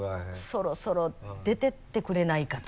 「そろそろ出ていってくれないか」と。